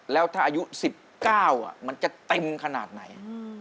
แล้วถ้าอายุ๑๙มันจะเต็มขนาดไหน